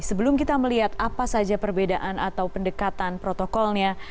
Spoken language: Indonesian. sebelum kita melihat apa saja perbedaan atau pendekatan protokolnya